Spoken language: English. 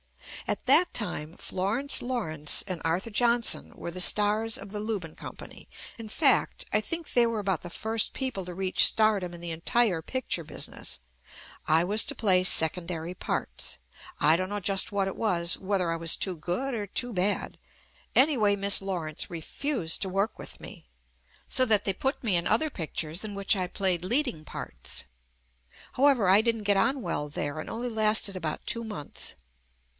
At that time Florence Lawrence and Arthur Johnson were the stars of the Lu bin Company, in fact, I think they were about the first people to reach stardom in the entire picture business. I was to play secondary parts. I don't know just what it was, whether I was too good or too bad — anyway, Miss Law rence refused to work with me, so that they put me in other pictures in which I played leading parts. However, I didn't get on well there and only lasted about two months.